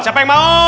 siapa yang mau